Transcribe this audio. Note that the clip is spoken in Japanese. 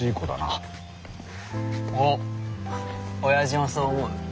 おっオヤジもそう思う？